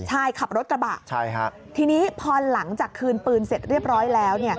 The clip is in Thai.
ใช่ขับรถกระบะทีนี้พอหลังจากคืนปืนเสร็จเรียบร้อยแล้ว